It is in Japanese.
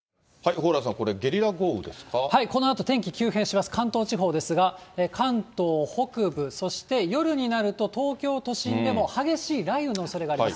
蓬莱さん、このあと、天気、急変します。関東地方ですが、関東北部、そして夜になると東京都心でも激しい雷雨のおそれがあります。